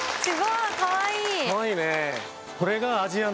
かわいいね。